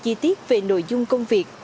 chi tiết về nội dung công việc